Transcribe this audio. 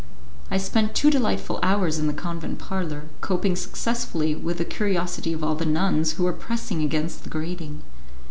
I spent two delightful hours in the convent parlour, coping successfully with the curiosity of all the nuns who were pressing against the grating.